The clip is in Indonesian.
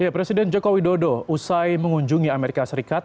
presiden joko widodo usai mengunjungi amerika serikat